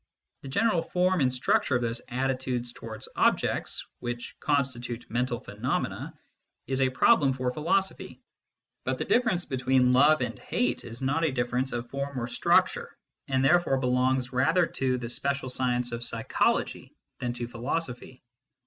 The general form and structure of those attitudes towards objects which constitute mental phenomena is a problem for philosophy, but the difference between love and hate is not a difference of form or structure, and therefore belongs rather to the special science of psychology than to philosophy.